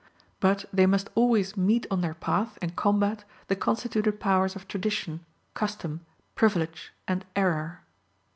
But they must always meet on their path, and combat the constituted powers of tradition, custom, privilege and error."